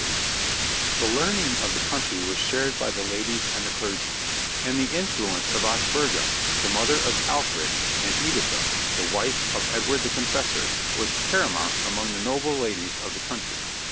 [Illustration: {A woman of the time of Stephen}] The learning of the country was shared by the ladies and the clergy, and the influence of Osburgha, the mother of Alfred, and Editha, the wife of Edward the Confessor, was paramount among the noble ladies of the country.